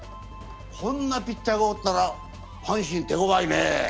こんなピッチャーがおったら阪神手ごわいね。